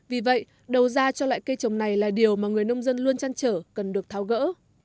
vì vậy đầu ra cho loại cây trồng này là điều mà người nông dân luôn chăn trở cần được tháo gỡ